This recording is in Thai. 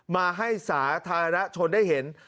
มาให้สาธารณชนได้เห็น